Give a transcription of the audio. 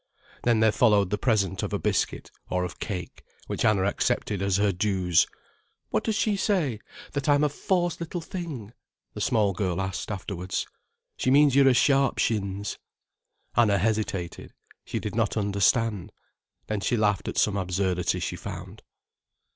Then there followed the present of a biscuit, or of cake, which Anna accepted as her dues. "What does she say, that I'm a fawce little thing?" the small girl asked afterwards. "She means you're a sharp shins." Anna hesitated. She did not understand. Then she laughed at some absurdity she found.